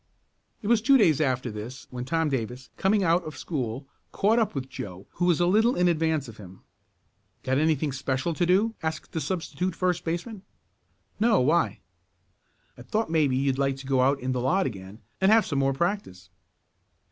It was two days after this when Tom Davis, coming out of school, caught up with Joe who was a little in advance of him. "Got anything special to do?" asked the substitute first baseman. "No, why?" "I thought maybe you'd like to go out in the lot again, and have some more practice."